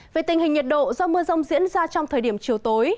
về tình hình nhiệt độ do mưa rông diễn ra trong thời điểm chiều tối